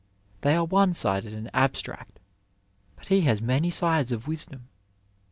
They are one sided and abstract; but he has many sides of wisdom.